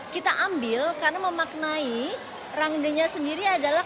kita ambil karena memaknai rangdenya sendiri adalah